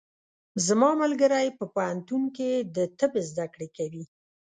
زما ملګری په پوهنتون کې د طب زده کړې کوي.